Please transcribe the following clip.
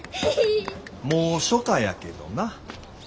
もう初夏やけどな。